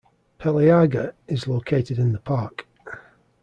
Peleaga, is located in the park.